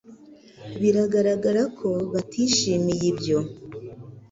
Biragaragara ko batishimiye ibyo